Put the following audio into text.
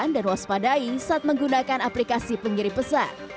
anda harus perhatikan dan waspadai saat menggunakan aplikasi penggiri pesan